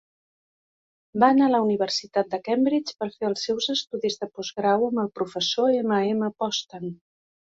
Va anar a la Universitat de Cambridge per fer els seus estudis de postgrau amb el professor M. M. Postan.